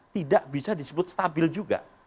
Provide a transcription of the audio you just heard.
tidak bisa disebut stabil juga